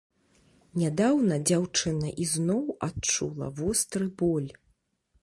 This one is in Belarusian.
Нядаўна дзяўчына ізноў адчула востры боль.